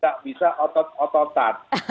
tidak bisa otot ototan